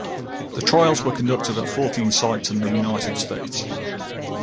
The trials were conducted at fourteen sites in the United States.